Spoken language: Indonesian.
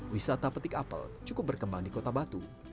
wisata petik apel cukup berkembang di kota batu